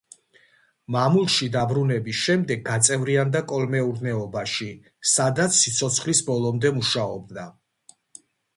მამულში დაბრუნების შემდეგ გაწევრიანდა კოლმეურნეობაში, სადაც სიცოცხლის ბოლომდე მუშაობდა.